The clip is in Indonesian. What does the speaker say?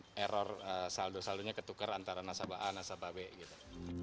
kalau dia mengisi kekuatan saldo saldo nya ketukar antara nasabah a nasabah b gitu